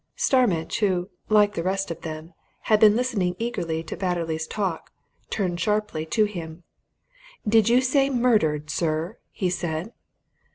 Starmidge, who, like the rest of them, had been listening eagerly to Batterley's talk, turned sharply to him. "Did you say murdered, sir?" he said.